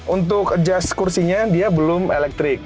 untuk jas kursinya dia belum elektrik